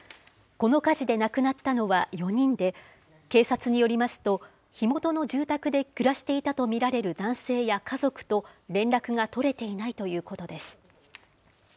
この火事で亡くなったのは４人で、警察によりますと、火元の住宅で暮らしていたと見られる男性や家族と連絡が取れていないということです。